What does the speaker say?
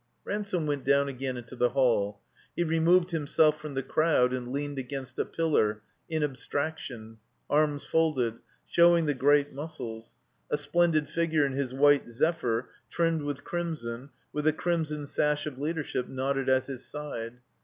Ransome went down again into the hall. He re moved himself from the crowd and leaned against a pillar, in abstraction, arms folded, showing the great muscles; a splendid figiu^ in his white "zephyr" trimmed with crimson, with the crimson sash of leadership knotted at his side.